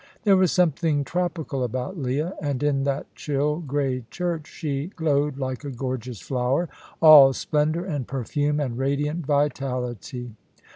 There was something tropical about Leah, and in that chill grey church she glowed like a gorgeous flower, all splendour and perfume and radiant vitality.